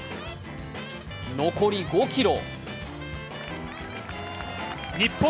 残り５ｋｍ。